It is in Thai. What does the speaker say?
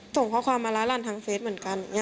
ส่งข้อความมาล้าร้านทางเฟซเหมือนกัน